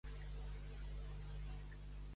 Qui compta sense Déu, ha errat els comptes.